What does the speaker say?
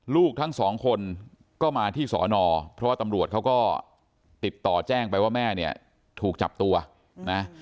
ลูกทั้งสองคนก็มาที่สอนอเพราะว่าตำรวจเขาก็ติดต่อแจ้งไปว่าแม่เนี่ยถูกจับตัวนะ